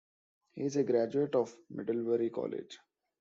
He is a graduate of Middlebury College.